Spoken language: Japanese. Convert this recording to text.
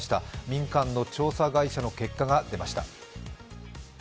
民間の調査会社の結果が出ました。